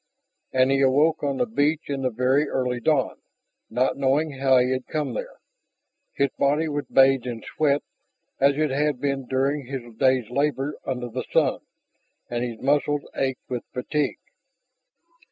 And he awoke on the beach in the very early dawn, not knowing how he had come there. His body was bathed in sweat, as it had been during his day's labors under the sun, and his muscles ached with fatigue.